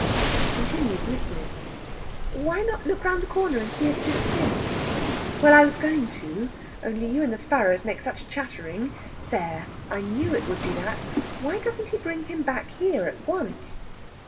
She continues listening. "Why not look round the corner and see if it isn't him?" "Well, I was going to; only you and the sparrows make such a chattering.... There, I knew it would be that! Why doesn't he bring him back here, at once?"